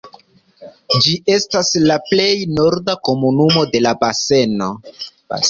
Ĝi estas la plej norda komunumo de la baseno.